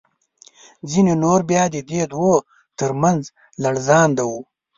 ځینې نور بیا د دې دوو تر منځ لړزانده وو.